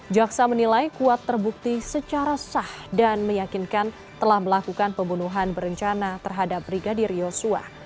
jaksa menilai kuat terbukti secara sah dan meyakinkan telah melakukan pembunuhan berencana terhadap brigadir yosua